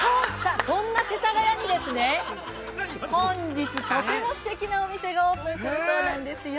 ◆そんな世田谷にですね、本日とてもすてきなお店がオープンするそうなんですよ。